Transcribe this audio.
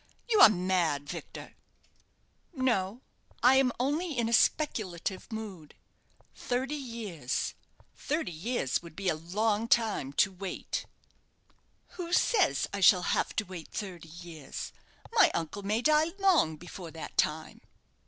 You are mad, Victor!" "No; I am only in a speculative mood. Thirty years! thirty years would be a long time to wait." "Who says that I shall have to wait thirty years? My uncle may die long before that time."